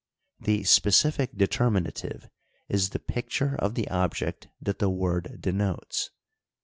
The specific determinative is the picture of the object that the word denotes.